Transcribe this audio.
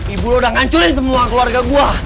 ibu lo udah ngancurin semua keluarga gue